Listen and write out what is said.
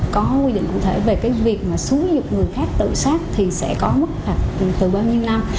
có quy định cụ thể về cái việc mà xử dụng người khác tự sát thì sẽ có mức phạt từ ba mươi năm